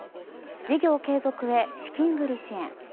事業継続へ資金繰り支援。